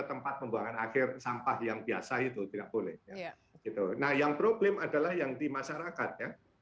tempat pembuangan akhir sampah yang biasa itu tidak boleh ya gitu nah yang problem adalah yang di masyarakat ya